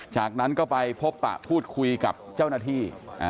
จากนั้นก็ไปพบปะพูดคุยกับเจ้าหน้าที่